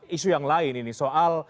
isu yang lain ini soal